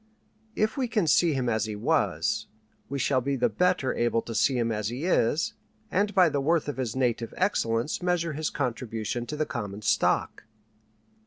If we can see him as he was, we shall be the better able to see him as he is, and by the worth of his native excellence measure his contribution to the common stock.